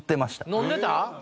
飲んでた？